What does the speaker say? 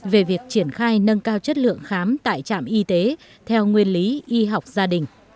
về việc triển khai nâng cao chất lượng khám tại trạm y tế theo nguyên lý y học gia đình